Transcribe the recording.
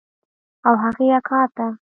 او هغې اکا ته.